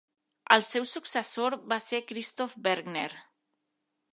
El seu successor va ser Christoph Bergner.